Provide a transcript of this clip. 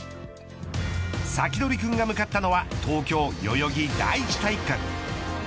サキドリくんが向かったのは東京代々木第一体育館。